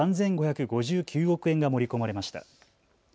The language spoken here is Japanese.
３５５９億円が盛り込まれました。